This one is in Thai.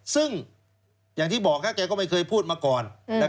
ซึ่งอย่างที่บอกแกก็ไม่เคยพูดมาก่อน